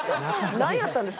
何やったんですか？